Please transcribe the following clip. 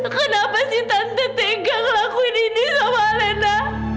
kenapa sih tante tegang lakuin ini sama alena